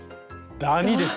「ダニ」です。